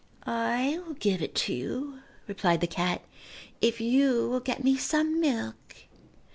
"I will give it to you," replied the cat, "if you will get me some milk."